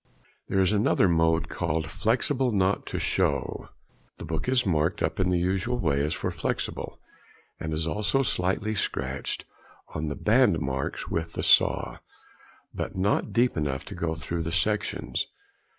There is another mode called "flexible not to show." The book is marked up in the usual way as for flexible, and is also slightly scratched on the band marks with the saw; but not deep enough to go through the sections.